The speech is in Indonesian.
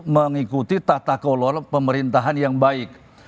mengikuti tata kelola pemerintahan yang baik